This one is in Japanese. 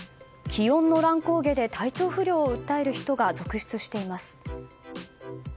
気温の乱高下で体調不良を訴える人が続出しています。